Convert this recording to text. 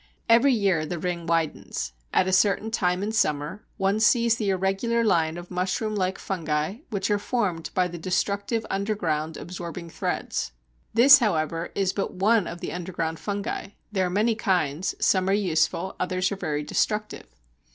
Every year the ring widens; at a certain time in summer one sees the irregular line of mushroom like fungi which are formed by the destructive underground absorbing threads. This, however, is but one of the underground fungi. There are many kinds; some are useful, others are very destructive.